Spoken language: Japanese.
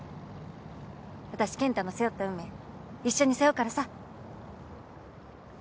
私健太の背負った運命一緒に背負うからさ。